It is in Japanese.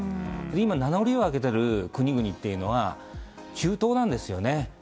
今、名乗りを上げている国々は中東なんですよね。